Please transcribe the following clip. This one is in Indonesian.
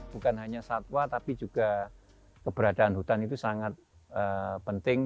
bukan hanya satwa tapi juga keberadaan hutan itu sangat penting